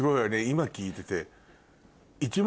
今聞いてて。